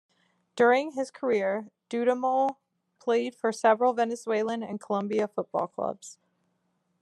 During his career, Dudamel played for several Venezuelan and Colombian football clubs.